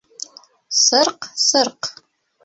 — Сырҡ-сырҡ!